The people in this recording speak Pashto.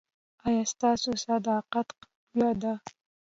ایا ستاسو صدقه قبوله ده؟